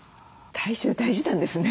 体重大事なんですね。